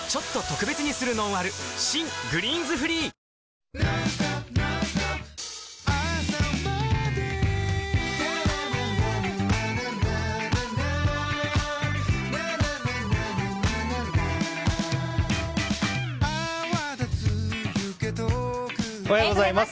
新「グリーンズフリー」おはようございます。